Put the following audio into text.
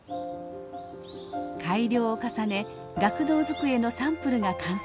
改良を重ね学童机のサンプルが完成しました。